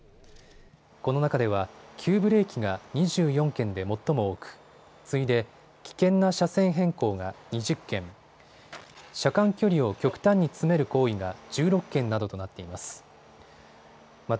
この中では急ブレーキが２４件で最も多く次いで危険な車線変更が２０件、車間距離を極端に詰める行為が１６件などとなっています。